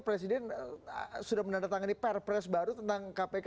presiden sudah menandatangani perpres baru tentang kpk